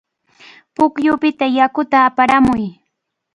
Pukyupita yakuta aparamuy.